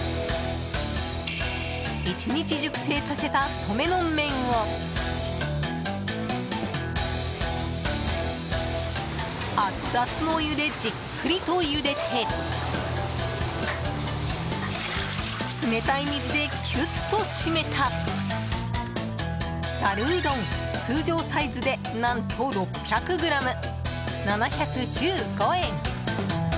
１日熟成させた太めの麺をアツアツのお湯でじっくりとゆでて冷たい水でキュッと締めたざるうどん、通常サイズで何と６００ｇ、７１５円。